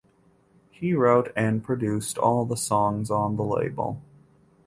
He wrote and produced all the songs on the label.